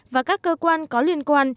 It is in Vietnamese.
và các cơ quan có liên quan